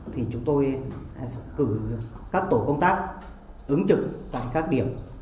thì chúng tôi cử các tổ công tác ứng trực tại các điểm